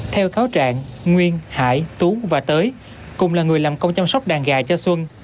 theo cáo trạng nguyên hải tú và tới cùng là người làm công chăm sóc đàn gà cho xuân